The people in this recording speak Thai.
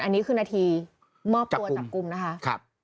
อันนี้คือนาทีมอบตัวจับกลุ่มนะคะ